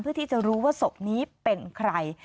เพื่อที่จะรู้ว่าศพนี้เป็นใคร